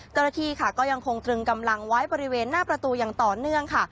เจ้าหน้าที่ค่ะก็ยังคงตรึงกำลังไว้บริเวณหน้าประตูอย่างต่อเนื่องค่ะ